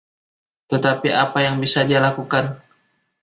Tetapi apa yang bisa dia lakukan?